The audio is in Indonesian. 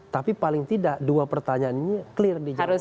tapi paling tidak dua pertanyaannya clear dijawab